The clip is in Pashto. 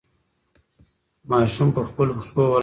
ماشوم په خپلو پښو ولاړ و.